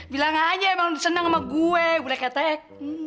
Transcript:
bilang aja emang senang sama gue bulan ketek